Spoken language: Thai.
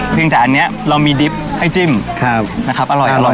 เพียงแต่อันเนี้ยเรามีดิบให้จิ้มครับนะครับอร่อยอร่อยอร่อย